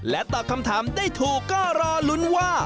ตอบคำถามได้ถูกก็รอลุ้นว่า